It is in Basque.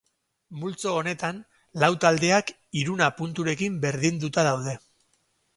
Multzo honetan lau taldeak hiruna punturekin berdinduta daude.